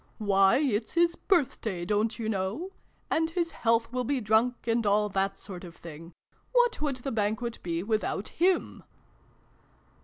" Why, it's his birthday, don't you know ? And his health will be drunk, and all that sort of thing. What would the Banquet be without him